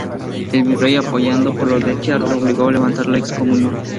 El virrey, apoyado por la Audiencia, le obligó a levantar la excomunión.